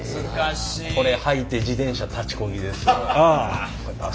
これはいて自転車立ちこぎですよ。